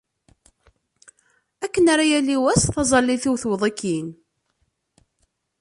Akken ara yali wass, taẓallit-iw tewweḍ-ik-in.